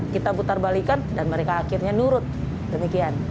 kita putar balikan dan mereka akhirnya nurut demikian